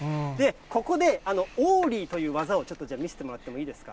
ここでオーリーという技をちょっと見せてもらってもいいですか。